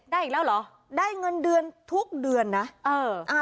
ได้เงินเดือนทุกเดือนนะ